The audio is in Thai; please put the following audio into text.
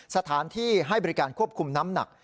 สถานที่ให้บริการควบคุมน้ำหนัก